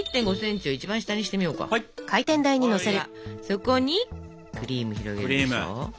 そこにクリーム広げるでしょ。